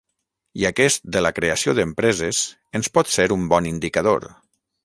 I aquest de la creació d’empreses ens pot ser un bon indicador.